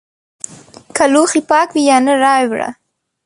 که لوښي پاک وي یا نه رایې وړه!